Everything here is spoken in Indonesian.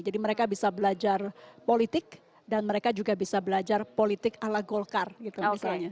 jadi mereka bisa belajar politik dan mereka juga bisa belajar politik ala golkar gitu misalnya